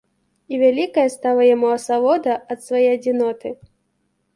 І вялікая стала яму асалода ад свае адзіноты.